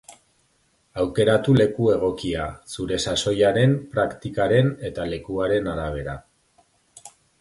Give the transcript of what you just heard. Aukeratu leku egokia, zure sasoiaren, praktikaren eta lekuaren arabera.